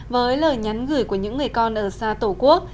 với lời nhắn gửi của những người con ở xa tổ quốc